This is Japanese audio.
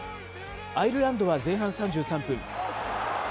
アイルランドは前半３３分。